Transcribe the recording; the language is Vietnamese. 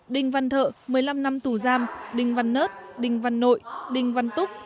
đinh văn thợ một mươi năm năm tù giam đinh văn nớt đinh văn nội đinh văn túc